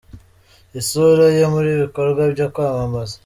isura ye mu bikorwa byo kwamamaza.